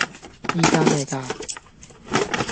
依家咩價?